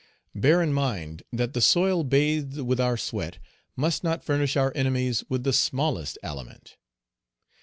Bear in mind that the soil bathed with our sweat must not furnish our enemies with the smallest aliment.